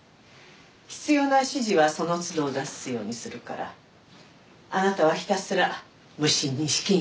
必要な指示はその都度出すようにするからあなたはひたすら無心に式に臨みなさい。